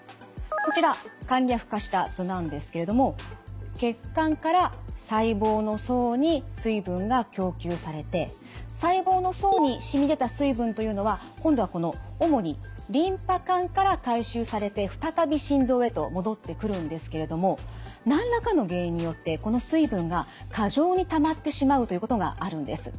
こちら簡略化した図なんですけれども血管から細胞の層に水分が供給されて細胞の層にしみ出た水分というのは今度はこの主にリンパ管から回収されて再び心臓へと戻ってくるんですけれども何らかの原因によってこの水分が過剰にたまってしまうということがあるんです。